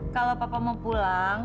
kalau papa mau pulang